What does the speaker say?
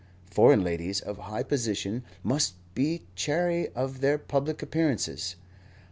Foreign ladies of high position must be chary of their public appearances.